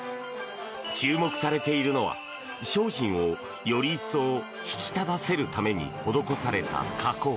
注目されているのは、商品をより一層引き立たせるために施された加工。